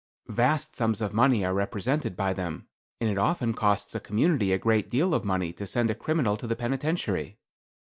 "Vast sums of money are represented by them; and it often costs a community a great deal of money to send a criminal to the penitentiary.